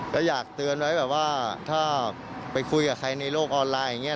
ก็อยากเตือนไว้แบบว่าถ้าไปคุยกับใครในโลกออนไลน์อย่างนี้